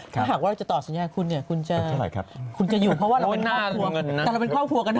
ถ้าหากว่าเราจะตอบสัญญาคุณเนี่ยคุณจะอยู่เพราะว่าเราเป็นครอบครัวกันนะ